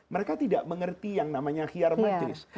mereka tidak mengerti yang namanya khiyar majlis